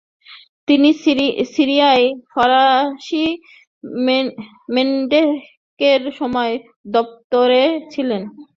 তিনি সিরিয়ায় ফরাসি মেন্ডেটের সময় দপ্তরে ছিলেন।